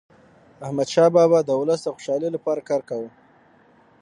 احمدشاه بابا د ولس د خوشحالیلپاره کار کاوه.